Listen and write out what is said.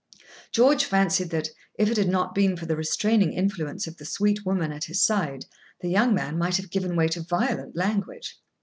George fancied that, if it had not been for the restraining influence of the sweet woman at his side, the young man might have given way to violent language.